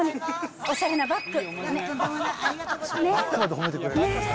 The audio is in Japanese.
おしゃれなバッグ。